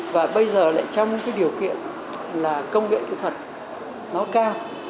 và bây giờ lại trong cái điều kiện là công nghệ kỹ thuật nó cao